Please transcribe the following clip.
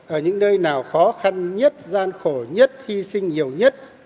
ở những nơi nào khó khăn nhất gian khổ nhất hy sinh nhiều nhất